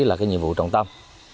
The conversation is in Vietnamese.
là nhiệm vụ trọng tâm